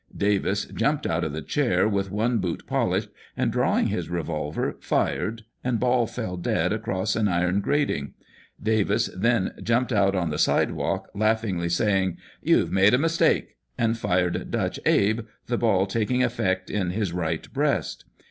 Davis jumped out of the chair, with one boot polished, and drawing his revolver, fired, and Ball fell dead across an iron grating. Davis then jumped out on the side walk, laughingly saying, ' You've made a mistake,' and fired at Dutch Abe, the ball taking effect in his right breast.